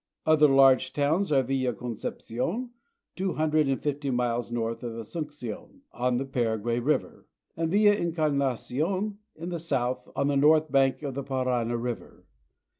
Other large towns are Villa Concepcion, two hundred and fifty miles north of Asuncion, on the Paraguay river, and Villa Encarnacion, in the south, on the north bank of the Parana river.